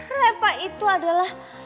reva itu adalah